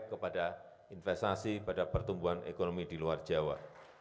kepada investasi pada pertumbuhan ekonomi di luar jawa